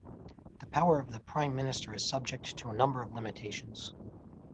The power of the prime minister is subject to a number of limitations.